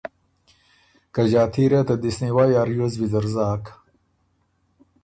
که ݫاتي ره ته دِست نیوئ ا ریوز ویزر زاک۔